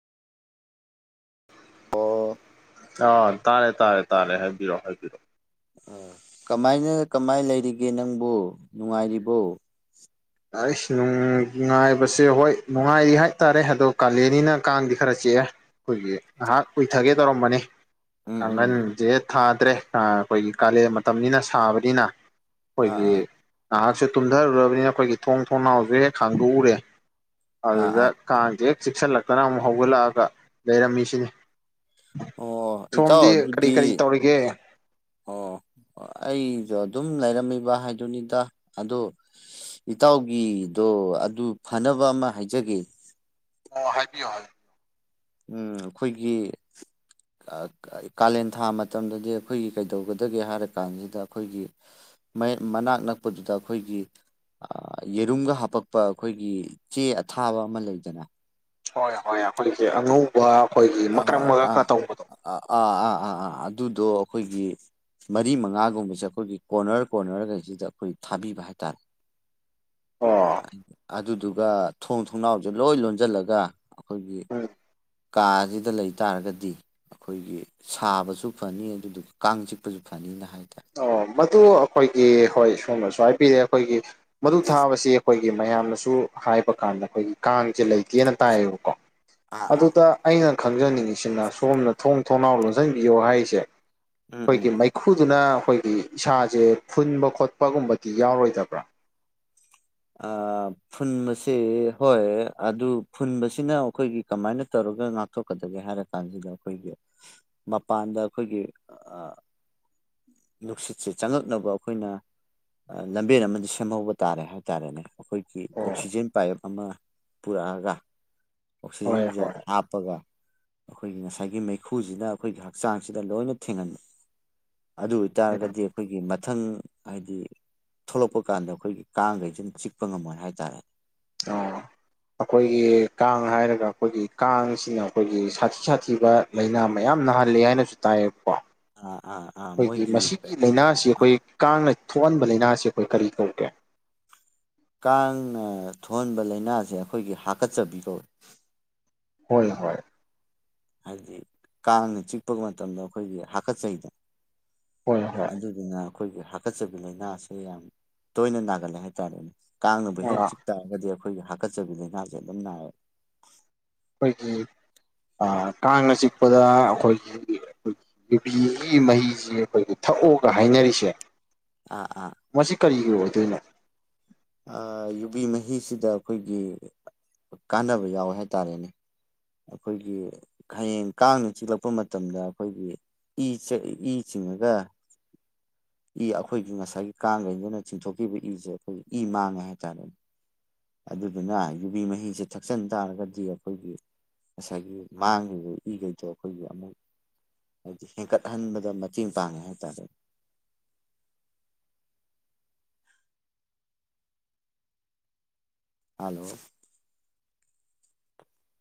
ꯑꯣ ꯑꯥ ꯇꯥꯔꯦ ꯇꯥꯔꯦ ꯇꯥꯔꯦ ꯍꯥꯏꯕꯤꯔꯣ ꯍꯥꯏꯕꯤꯔꯛꯑꯣ ꯀꯃꯥꯏꯅ ꯀꯃꯥꯏ ꯂꯩꯔꯤꯒꯦ ꯅꯪꯕꯨ ꯅꯨꯡꯉꯥꯏꯔꯤꯕꯣ ꯑꯩꯁ ꯅꯨꯡ ꯉꯥꯏꯕꯁꯦ ꯍꯣꯏ ꯅꯨꯡꯉꯥꯏꯔꯤ ꯍꯥꯏꯇꯥꯔꯦ ꯑꯗꯣ ꯀꯥꯂꯦꯟꯅꯤꯅ ꯀꯥꯡꯗꯤ ꯈꯔ ꯆꯤꯛꯑꯦ꯫ ꯑꯩꯈꯣꯏꯒꯤ ꯉꯍꯥꯛ ꯎꯏꯊꯒꯦ ꯇꯧꯔꯝꯕꯅꯦ꯫ ꯎꯝ ꯎꯝ ꯀꯥꯡꯈꯟꯁꯦ ꯊꯥꯗ꯭ꯔꯦ ꯑꯩꯈꯣꯏꯒꯤ ꯀꯥꯂꯦꯟ ꯃꯇꯝꯅꯤꯅ ꯁꯥꯕꯅꯤꯅ ꯑꯥ ꯑꯩꯈꯣꯏꯒꯤ ꯑꯥ ꯉꯍꯥꯛꯁꯦ ꯇꯨꯝꯊꯔꯨꯔꯕꯅꯤꯅ ꯑꯩꯈꯣꯏꯒꯤ ꯊꯣꯡ ꯊꯣꯡꯅꯥꯎꯁꯦ ꯍꯦꯛ ꯍꯥꯡꯗꯣꯛꯎꯔꯦ꯫ ꯑꯥ ꯑꯗꯨꯗ ꯑꯥ ꯀꯥꯡꯁꯦ ꯍꯦꯛ ꯆꯤꯛꯁꯤꯜꯂꯛꯇꯅ ꯑꯃꯨꯛ ꯍꯧꯒꯠꯂꯛꯑꯒ ꯂꯩꯔꯝꯃꯤꯁꯤꯅꯤ꯫ ꯑꯣ ꯏꯇꯥꯎ ꯁꯣꯝꯗꯤ ꯀꯔꯤ ꯑꯗꯨꯗꯤ ꯀꯔꯤ ꯇꯧꯔꯤꯒꯦ꯫ ꯑꯣ ꯑꯩꯒ ꯑꯗꯨꯝ ꯂꯩꯔꯝꯃꯤꯕ ꯍꯥꯏꯗꯨꯅꯤꯗ ꯑꯗꯨ ꯏꯇꯥꯎꯒꯤꯗꯣ ꯑꯗꯨ ꯐꯅꯕ ꯑꯃ ꯍꯥꯏꯖꯒꯦ꯫ ꯑꯣ ꯍꯥꯏꯕꯤꯌꯣ ꯍꯥꯏꯕꯤꯌꯨ꯫ ꯎꯝ ꯑꯩꯈꯣꯏꯒꯤ ꯀꯥꯂꯦꯟ ꯊꯥ ꯃꯇꯝꯗꯗꯤ ꯑꯩꯈꯣꯏꯒꯤ ꯀꯩꯗꯧꯒꯗꯒꯦ ꯍꯥꯏꯔ ꯀꯥꯟꯁꯤꯗ ꯑꯩꯈꯣꯏꯒꯤ ꯃꯅꯥꯛ ꯅꯛꯄꯗꯨꯗ ꯑꯩꯈꯣꯏꯒꯤ ꯌꯦꯔꯨꯝꯒ ꯍꯥꯄꯛꯄ ꯑꯩꯈꯣꯏꯒꯤ ꯆꯦ ꯑꯊꯥꯕ ꯑꯃ ꯂꯩꯗꯅ ꯍꯣꯏ ꯍꯣꯏ ꯑꯩꯈꯣꯏꯒꯤ ꯑꯉꯧꯕ ꯑꯩꯈꯣꯏꯒꯤ ꯍꯣ ꯃꯀꯛ ꯑꯥ ꯃꯀꯛꯀ ꯇꯧꯕꯗꯣ ꯑ ꯑꯥ ꯑꯥ ꯑꯥ ꯑꯥ ꯑꯗꯨꯗꯣ ꯑꯩꯈꯣꯏꯒꯤ ꯃꯔꯤ ꯃꯉꯥꯒꯨꯝꯕꯁꯦ ꯑꯩꯈꯣꯏꯒꯤ ꯀꯣꯔꯅꯔ ꯀꯣꯔꯅꯔꯒꯩꯁꯤꯗ ꯑꯩꯈꯣꯏ ꯊꯥꯕꯤꯕ ꯍꯥꯏꯇꯥꯔꯦ꯫ ꯑꯣ ꯑꯗꯨꯗꯨꯒ ꯊꯣꯡ ꯊꯣꯡꯅꯥꯎꯁꯦ ꯂꯣꯏ ꯂꯣꯟꯁꯤꯜꯂꯒ ꯑꯩꯈꯣꯏꯒꯤ ꯎꯝ ꯀꯥꯁꯤꯗ ꯂꯩ ꯇꯥꯔꯒꯗꯤ ꯑꯩꯈꯣꯏꯒꯤ ꯁꯥꯕꯁꯨ ꯐꯅꯤ ꯑꯗꯨꯗꯨꯒ ꯀꯥꯡ ꯆꯤꯛꯄꯁꯨ ꯐꯅꯤꯅ ꯍꯥꯏꯇꯥꯔꯦ ꯑꯣ ꯃꯗꯨ ꯑꯩꯈꯣꯏꯒꯤ ꯍꯣꯏ ꯁꯣꯝꯅꯁꯨ ꯍꯥꯏꯕꯤꯔꯦ ꯑꯩꯈꯣꯏꯒꯤ ꯃꯗꯨ ꯊꯥꯕꯁꯤ ꯑꯩꯈꯣꯏꯒꯤ ꯑꯩꯈꯣꯏꯒꯤ ꯃꯌꯥꯝꯅꯁꯨ ꯍꯥꯏꯕ ꯀꯥꯟꯗ ꯑꯩꯈꯣꯏꯒꯤ ꯀꯥꯡꯁꯦ ꯂꯩꯇꯦꯅ ꯇꯥꯏꯌꯦꯕꯀꯣ ꯑꯥ ꯑꯥ ꯑꯗꯨꯗ ꯑꯩꯅ ꯈꯪꯖꯅꯤꯡꯉꯤꯁꯤꯅ ꯁꯣꯝꯅ ꯊꯣꯡ ꯊꯣꯡꯅꯥꯎ ꯂꯣꯟꯁꯤꯟꯕꯤꯌꯣ ꯍꯥꯏꯁꯦ ꯎꯝ ꯎꯝ ꯑꯩꯈꯣꯏꯒꯤ ꯃꯩ ꯈꯨꯗꯨꯅ ꯑꯩꯈꯣꯏꯒꯤ ꯏꯁꯥꯁꯦ ꯐꯨꯟꯕ ꯈꯣꯠꯄꯒꯨꯝꯕꯗꯤ ꯌꯥꯎꯔꯣꯏꯗꯕ꯭ꯔꯥ꯫ ꯑ ꯐꯨꯟꯕꯁꯦ ꯍꯣꯏ ꯑꯗꯨ ꯐꯨꯟꯕꯁꯤꯅ ꯑꯩꯈꯣꯏꯒꯤ ꯀꯃꯥꯏꯅ ꯇꯧꯔꯒ ꯉꯥꯛ ꯊꯣꯛꯀꯗꯒꯦ ꯍꯥꯏꯔ ꯀꯥꯟꯁꯤꯗ ꯑꯩꯈꯣꯏꯒꯤ ꯃꯄꯥꯟꯗ ꯑꯩꯈꯣꯏꯒꯤ ꯅꯨꯡꯁꯤꯠꯁꯦ ꯆꯪꯉꯛꯅꯕ ꯑꯩꯈꯣꯏꯅ ꯂꯝꯕꯦꯟ ꯑꯃꯗꯤ ꯁꯦꯝꯍꯧꯕ ꯇꯥꯔꯦ ꯍꯥꯏꯇꯥꯔꯦꯅꯦ꯫ ꯑꯩꯈꯣꯏꯒꯤ ꯑꯣ ꯑꯣꯛꯁꯤꯖꯦꯟ ꯄꯥꯏꯞ ꯑꯃ ꯄꯨꯔꯛꯑꯒ ꯍꯣꯏ ꯑꯣꯛꯁꯤꯖꯦꯟꯁꯦ ꯍꯣꯏ ꯍꯥꯞꯄꯒ ꯑꯩꯈꯣꯏꯒꯤ ꯉꯁꯥꯏꯒꯤ ꯃꯩꯈꯨꯁꯤꯅ ꯑꯩꯈꯣꯏꯒꯤ ꯍꯛꯆꯥꯡꯁꯤꯗ ꯂꯣꯏꯅ ꯊꯦꯡꯍꯟꯕ ꯑꯗꯨ ꯎꯝ ꯑꯣꯏꯇꯥꯔꯒꯗꯤ ꯑꯩꯈꯣꯏꯒꯤ ꯃꯊꯪ ꯍꯥꯏꯗꯤ ꯊꯣꯛꯂꯛꯄ ꯀꯥꯟꯗ ꯑꯩꯈꯣꯏꯒꯤ ꯀꯥꯡꯈꯩꯁꯤꯅ ꯆꯤꯛꯄ ꯉꯝꯃꯣꯏ ꯍꯥꯏꯇꯥꯔꯦ꯫ ꯑꯣ꯫ ꯑꯩꯈꯣꯏꯒꯤ ꯀꯥꯡ ꯍꯥꯏꯔꯒ ꯑꯩꯈꯣꯏꯒꯤ ꯀꯥꯡꯁꯤꯅ ꯑꯩꯈꯣꯏꯒꯤ ꯁꯥꯊꯤ ꯁꯥꯊꯤꯕ ꯂꯥꯏꯅꯥ ꯃꯌꯥꯝ ꯅꯥꯍꯜꯂꯤ ꯍꯥꯏꯅꯁꯨ ꯇꯥꯏꯌꯦꯕꯀꯣ꯫ ꯑꯥ ꯑꯥ ꯑꯥ ꯑꯩꯈꯣꯏꯒꯤ ꯃꯣꯏꯒꯤ ꯃꯁꯤꯒꯤ ꯂꯥꯏꯅꯥꯁꯤ ꯑꯩꯈꯣꯏ ꯀꯥꯡꯅ ꯊꯣꯛꯍꯟꯕ ꯂꯥꯏꯅꯥꯁꯤ ꯑꯩꯈꯣꯏ ꯀꯔꯤ ꯀꯧꯒꯦ? ꯀꯥꯡꯅ ꯊꫭꯛꯍꯟꯕ ꯂꯥꯏꯅꯥꯁꯦ ꯑꯩꯈꯣꯏꯒꯤ ꯍꯥꯀꯠꯆꯕꯤ ꯀꯧꯋꯤ ꯍꯣꯏ ꯍꯣꯏ ꯍꯥꯏꯗꯤ ꯀꯥꯡꯅ ꯆꯤꯛꯄ ꯃꯇꯝꯗ ꯑꯩꯈꯣꯏꯒꯤ ꯍꯥꯀꯠꯆꯩꯗꯅ ꯍꯣꯏ ꯍꯣꯏ ꯑꯗꯨꯗꯨꯅ ꯑꯩꯈꯣꯏꯒꯤ ꯍꯥꯀꯠꯆꯕꯤ ꯂꯥꯏꯅꯥꯁꯦ ꯌꯥꯝ ꯇꯣꯏꯅ ꯅꯥꯒꯜꯂꯦ ꯍꯥꯏꯇꯥꯔꯦꯅꯦ ꯀꯥꯡꯅꯕ ꯍꯦꯛ ꯆꯤꯛ ꯇꯥꯔꯒꯗꯤ ꯑꯩꯈꯣꯏꯒꯤ ꯍꯥꯀꯠꯆꯕꯤ ꯂꯥꯏꯅꯥꯁꯦ ꯑꯗꯨꯝ ꯅꯥꯏꯔꯦ ꯑꯩꯈꯣꯏꯒꯤ ꯀꯥꯡꯅ ꯆꯤꯛꯄꯗ ꯑꯩꯈꯣꯏꯒꯤ ꯑꯩꯈꯣꯏꯒꯤ ꯌꯨꯕꯤꯒꯤ ꯃꯍꯤꯁꯤ ꯑꯩꯈꯣꯏꯒꯤ ꯊꯛꯑꯣꯒ ꯍꯥꯏꯅꯔꯤꯁꯦ ꯑꯥ ꯑꯥ ꯃꯁꯤ ꯀꯔꯤꯒꯤ ꯑꯣꯏꯗꯣꯏꯅꫭ ꯑꯥ ꯌꯨꯕꯤ ꯃꯍꯤꯁꯤꯗ ꯑꯩꯈꯣꯏꯒꯤ ꯀꯥꯟꯅꯕ ꯌꯥꯎꯋꯦ ꯍꯥꯏꯇꯥꯔꯦꯅꯦ ꯑꯩꯈꯣꯏꯒꯤ ꯍꯌꯦꯡ ꯀꯥꯡꯅ ꯆꯤꯛꯂꯛꯄ ꯃꯇꯝꯗ ꯑꯩꯈꯣꯏꯒꯤ ꯏ ꯆ‌ꯦ ꯆꯤꯡꯉꯒ ꯏ ꯑꯩꯈꯣꯏꯒꯤ ꯉꯁꯥꯏꯒꯤ ꯀꯥꯡꯈꯩꯗꯨꯅ ꯆꯤꯡꯊꯣꯛꯈꯤꯕ ꯏꯁꯦ ꯑꯩꯈꯣꯏꯒꯤ ꯏ ꯃꯥꯡꯉꯦ ꯍꯥꯏꯇꯥꯔꯦꯅꯦ ꯑꯗꯨꯗꯨꯅ ꯌꯨꯕꯤ ꯃꯍꯤꯁꯦ ꯊꯛꯆꯟ ꯇꯥꯔꯒꯗꯤ ꯑꯩꯈꯣꯏꯒꯤ ꯉꯁꯥꯏꯒꯤ ꯃꯥꯡꯉꯤꯕ ꯏꯈꯩꯗꯣ ꯑꯩꯈꯣꯏꯒꯤ ꯑꯃꯨꯛ ꯍꯥꯏꯗꯤ ꯍꯦꯟꯀꯠꯍꯟꯕꯗ ꯃꯇꯦꯡ ꯄꯥꯡꯉꯦ ꯍꯥꯏꯇꯥꯔꯦ ꯍꯜꯂꯣ